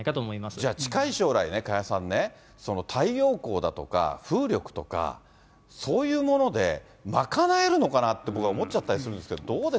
じゃあ、近い将来ね、加谷さんね、太陽光だとか風力とか、そういうもので賄えるのかなって、僕は思っちゃったりするんですけ